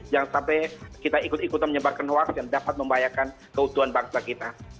jangan sampai kita ikut ikutan menyebarkan hoax yang dapat membahayakan keutuhan bangsa kita